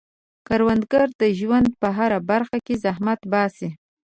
کروندګر د ژوند په هره برخه کې زحمت باسي